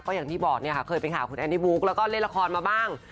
อย่างที่บอกเนี่ยค่ะเคยไปหาคุณแอนนี่บุ๊กแล้วก็เล่นละครมาบ้าง